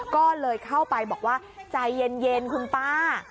ก็เลยเข้าไปบอกว่าใจเย็นคุณป้า